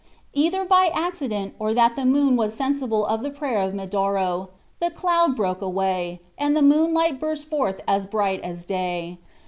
Either by accident, or that the moon was sensible of the prayer of Medoro, the cloud broke away, and the moonlight burst forth as bright as day.